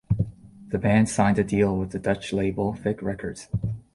The band signed a deal with the Dutch label Vic Records.